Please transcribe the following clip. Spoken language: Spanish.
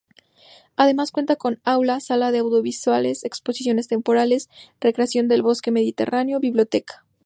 Además cuenta con Aula, Sala de audiovisuales, Exposiciones temporales, Recreación del bosque mediterráneo, Biblioteca.